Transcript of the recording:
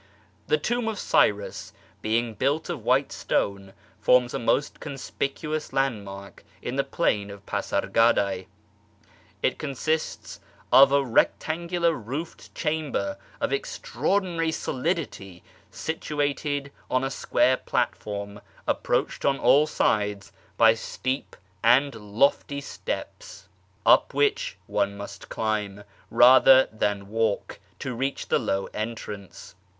The Tomb of Cyrus, being built of white stone, forms a most conspicuous landmark in the plain of Pasargad?e. It consists of a rectangular roofed chamber of extraordinary solidity, situated on a square platform approached on all sides by steep and lofty steps, up which one must climb, rather than walk, to reach the low entrance.